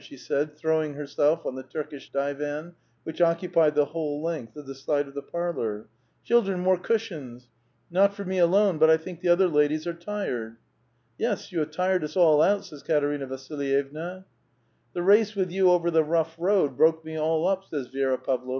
" she said, throwing herself on the Turkish divan which occupied the whole length of the side of the parlor. "Children, more cushions ! Not for me alone, but I think the other ladies are tired." "Yes; you have tired us all out I" says Eaterina Vasil yevna. " The race with you over the rough road broke me all up !" says Vidra Pavlovna. > Literally : Five sdzhens, or nbont thirty five feet.